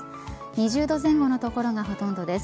２０度前後の所がほとんどです。